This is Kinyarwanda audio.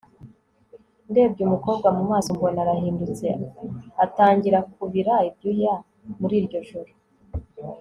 ndebye umukobwa mumaso mbona arahindutse atangira kubira ibyuya muriryo joro